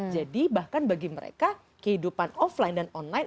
jadi bahkan bagi mereka kehidupan offline dan online